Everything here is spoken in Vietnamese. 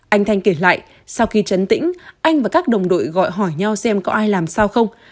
anh thanh kể lại sau khi chấn tĩnh anh và các đồng đội gọi hỏi nhau xem có ai làm sao không